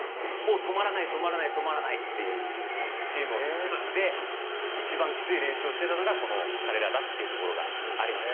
止まらない、止まらない止まらないっていうチームを作って一番きつい練習をしていたのが彼らだというところがあります。